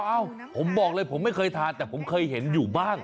เอ้าผมบอกเลยผมไม่เคยทานแต่ผมเคยเห็นอยู่บ้าง